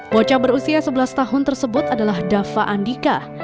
bocah berusia sebelas tahun tersebut adalah dava andika